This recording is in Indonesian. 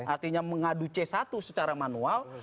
artinya mengadu c satu secara manual